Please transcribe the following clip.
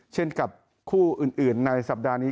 เช่นกับคู่อื่นในสัปดาห์นี้